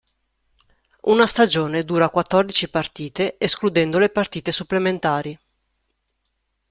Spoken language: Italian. Una stagione dura quattordici partite escludendo le partite supplementari.